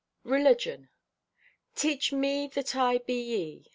RELIGION "Teach me that I be Ye."